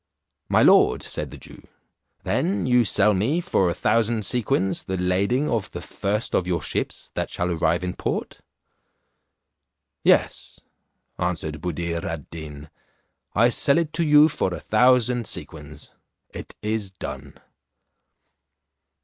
"My lord," said the Jew, "then you sell me for a thousand sequins the lading of the first of your ships that shall arrive in port?" "Yes," answered Buddir ad Deen, "I sell it to you for a thousand sequins; it is done."